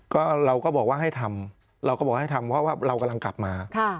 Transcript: ก็เราก็บอกว่าให้ทำเราก็บอกให้ทำเพราะว่าเรากำลังกลับมา